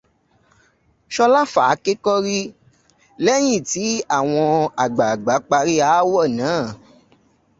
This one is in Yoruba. Ṣọlá fàáké kọ́rí lẹ́yìn tí àwọn agbagba parí ááwọ̀ náà.